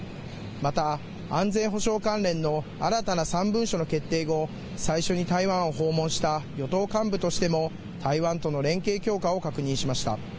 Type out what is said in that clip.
また安全保障関連の新たな３文書の決定後、最初に台湾を訪問した与党幹部としても台湾との連携強化を確認しました。